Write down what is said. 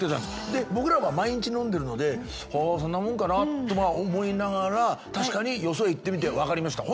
で僕らは毎日飲んでるのではあそんなもんかなとは思いながら確かによそへ行ってみて分かりました。